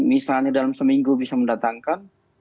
misalnya dalam seminggu bisa mendatangkan